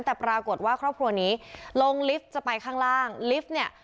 แต่ปรากฏว่าครอบครัวนี้ลงลิฟต์จะไปข้างล่างลิฟต์เนี่ย